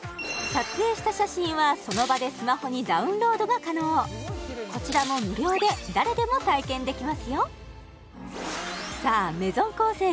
撮影した写真はその場でスマホにダウンロードが可能こちらもさあＭａｉｓｏｎＫＯＳＥ